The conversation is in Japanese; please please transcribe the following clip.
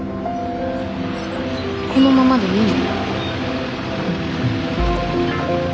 このままでいいの？